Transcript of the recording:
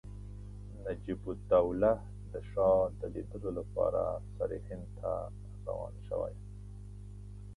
نجیب الدوله د شاه د لیدلو لپاره سرهند ته روان شوی.